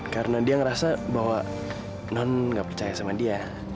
karena dia ngerasa bahwa non gak percaya sama dia